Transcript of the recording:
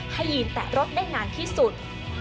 ยีนแตะรถได้นานที่สุด